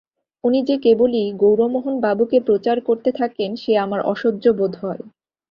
উনি যে কেবলই গৌরমোহনবাবুকে প্রচার করতে থাকেন সে আমার অসহ্য বোধ হয়।